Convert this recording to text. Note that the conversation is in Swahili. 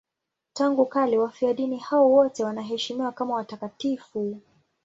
Tangu kale wafiadini hao wote wanaheshimiwa kama watakatifu.